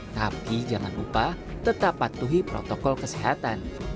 tapi jangan lupa tetap patuhi protokol kesehatan